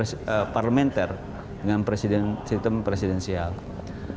dan selanjutnya soal relasi kelompok gulen dengan otoritas yang ada di turki juga menjadi problematika tersentuh